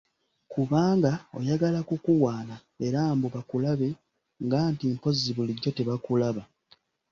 Kubanga oyagala kukuwaana, era mbu bakulabe nga nti mpozzi bulijjo tebakulaba!